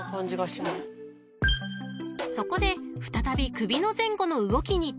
［そこで再び首の前後の動きに挑戦］